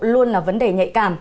luôn là vấn đề nhỏ